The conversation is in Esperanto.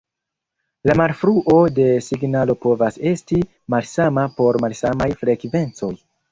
La malfruo de signalo povas esti malsama por malsamaj frekvencoj.